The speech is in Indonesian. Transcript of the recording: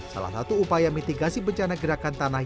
salah satu upaya mitigasi bencana gerakan tanah